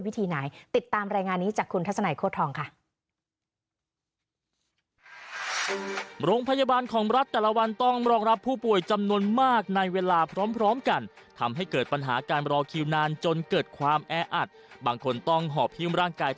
ติดตามรายงานนี้จากคุณทัศนายโคทรทองค่ะ